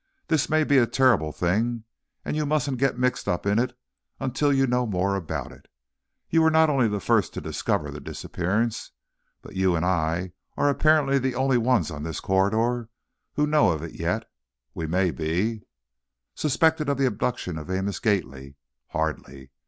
This may be a terrible thing, and you mustn't get mixed up in it until you know more about it. You were not only the first to discover the disappearance, but you and I are apparently the only ones in this corridor who know of it yet, we may be " "Suspected of the abduction of Amos Gately! Hardly!